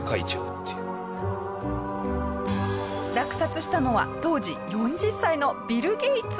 落札したのは当時４０歳のビル・ゲイツ。